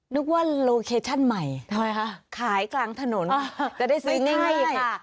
นึกว่าโลเคชั่นใหม่ขายกลางถนนจะได้ซื้อง่ายค่ะ